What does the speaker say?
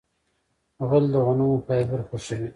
غول د غنمو فایبر خوښوي.